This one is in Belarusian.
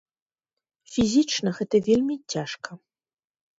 Фізічна гэта вельмі цяжка.